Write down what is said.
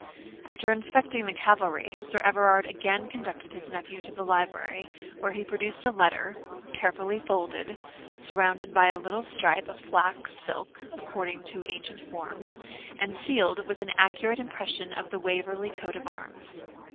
After inspecting the cavalry, Sir Everard again conducted his nephew to the library, where he produced a letter, carefully folded, surrounded by a little stripe of flox silk, according to ancient form, and sealed with an accurate impression of the Waverley coat of arms.